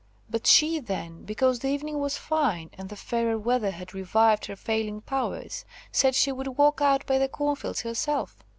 But she then, because the evening was fine, and the fairer weather had revived her failing powers, said she would walk out by the corn fields herself.